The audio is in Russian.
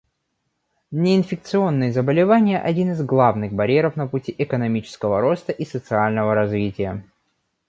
Неинфекционные заболевания — один из главных барьеров на пути экономического роста и социального развития.